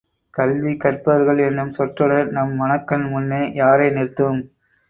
கல்வி கற்பவர்கள் என்னும் சொற்றொடர் நம் மனக்கண் முன்னே யாரை நிறுத்தும்?